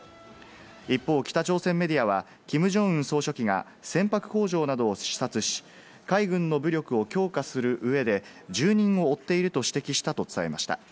一方、北朝鮮メディアは、キム・ジョンウン総書記が船舶工場などを視察し、海軍の武力を強化する上で重任を負っていると指摘したと伝えました。